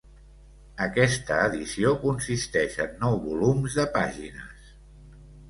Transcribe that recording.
Aquesta edició consisteix en nou volums de pàgines.